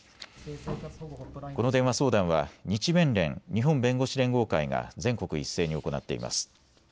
この電話相談は日弁連・日本弁護士連合会が全国一斉に行っています。